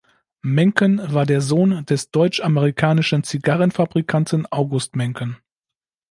Mencken war der Sohn des deutsch-amerikanischen Zigarrenfabrikanten August Mencken.